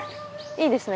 いいですね